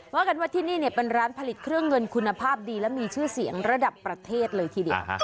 ว่ากันว่าที่นี่เป็นร้านผลิตเครื่องเงินคุณภาพดีและมีชื่อเสียงระดับประเทศเลยทีเดียว